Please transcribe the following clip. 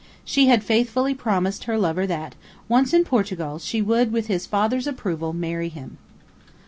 She had faithfully promised her lover that, once in Portugal, she would, with his father's approval, marry him.